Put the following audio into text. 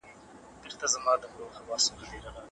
موږ باید د پوهې په لور ولاړ سو.